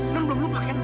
non belum lupa kan